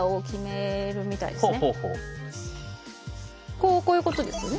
こうこういうことですよね？